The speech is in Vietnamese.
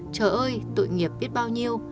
trời ơi tội nghiệp biết bao nhiêu